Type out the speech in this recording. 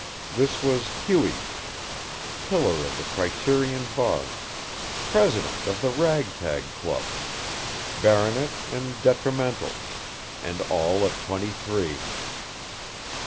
This was Hughie. Pillar of the Criterion bar, President of the Rag Tag Club, baronet and detrimental and all at twenty three.